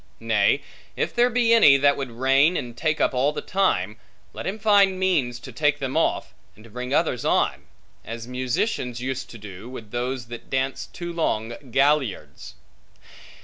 Nay, if there be any, that would reign and take up all the time, let him find means to take them off, and to bring others on; as musicians use to do, with those that dance too long galliards.